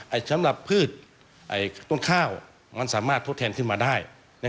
สำหรับพืชต้นข้าวมันสามารถทดแทนขึ้นมาได้